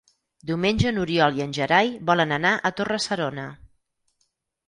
Diumenge n'Oriol i en Gerai volen anar a Torre-serona.